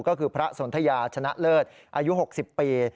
ก็คือพระสนทยาชนะเลิศอายุ๖๐ปี